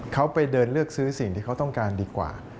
เขาไปเดินเลือกซื้อสิ่งที่เขาต้องการดีกว่า